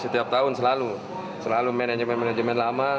setiap tahun selalu selalu manajemen manajemen lama